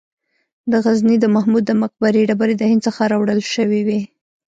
د غزني د محمود د مقبرې ډبرې د هند څخه راوړل شوې وې